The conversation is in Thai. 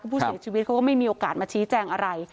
ผู้เสียชีวิตเขาก็ไม่มีโอกาสมาชี้แจงอะไร